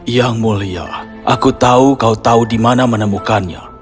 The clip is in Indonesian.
yang mulia aku tahu kau tahu di mana menemukannya